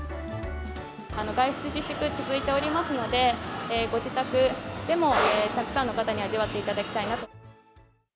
外出自粛続いておりますので、ご自宅でもたくさんの方に味わっていただきたいなと。